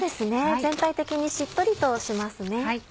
全体的にしっとりとしますね。